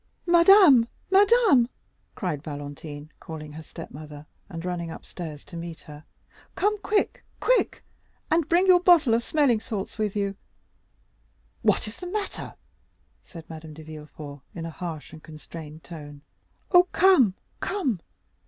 "Madame, madame!" cried Valentine, calling her step mother, and running upstairs to meet her; "come quick, quick!—and bring your bottle of smelling salts with you." "What is the matter?" said Madame de Villefort in a harsh and constrained tone. "Oh! come! come!"